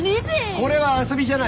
これは遊びじゃない。